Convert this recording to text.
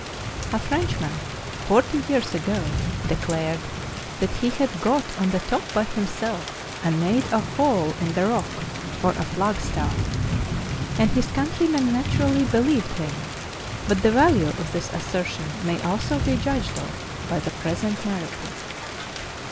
A French¬ man, forty years ago, declared that he had got on the top by himself, and made a hole in the rock for a flag staff; and his countrymen naturally believed him; but the value of this assertion may also be judged of by the present narrative.